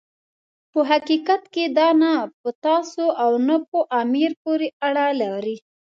په حقیقت کې دا نه په تاسو او نه په امیر پورې اړه لري.